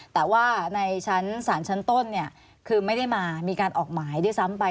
แต่ว่าในชั้นศาลชั้นต้นคือไม่ได้มามีการออกหมายด้วยซ้ำไป